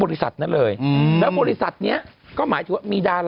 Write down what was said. อึกอึกอึกอึก